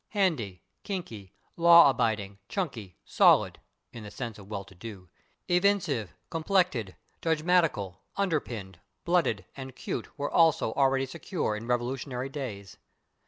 /Handy/, /kinky/, /law abiding/, /chunky/, /solid/ (in the sense of well to do), /evincive/, /complected/, /judgmatical/, /underpinned/, /blooded/ and /cute/ were also already secure in revolutionary days.